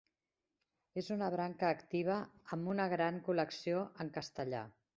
És una branca activa, amb una gran col·lecció en castellà.